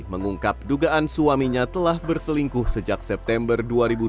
mengungkap dugaan suaminya telah berselingkuh sejak september dua ribu dua puluh